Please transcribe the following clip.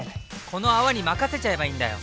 この泡に任せちゃえばいいんだよ！